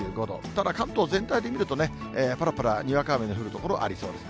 ただ関東全体で見るとね、ぱらぱらにわか雨の降る所、ありそうです。